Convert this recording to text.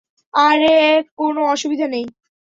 আরে কোনো অসুবিধা নেই!